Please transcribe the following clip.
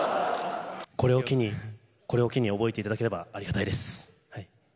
これを機に覚えていただければありがたいです。